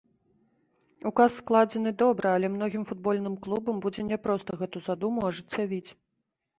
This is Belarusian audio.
Указ складзены добра, але многім футбольным клубам будзе няпроста гэту задуму ажыццявіць.